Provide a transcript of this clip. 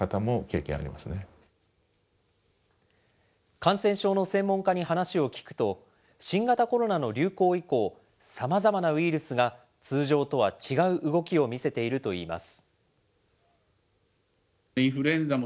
感染症の専門家に話を聞くと、新型コロナの流行以降、さまざまなウイルスが通常とは違う動きを見せているといいます。